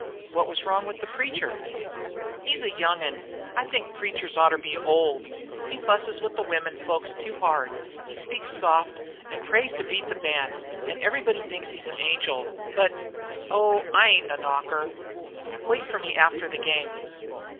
"What was wrong with the preacher?" "He's young, an' I think preachers oughter be old. He fusses the wimmen folks too hard. He speaks soft an' prays to beat the band, an' everybody thinks he's an angel. But oh, I ain't a knocker." "Wait for me after the game."